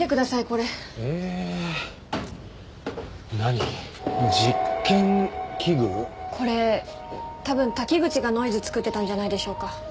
これ多分滝口がノイズ作ってたんじゃないでしょうか？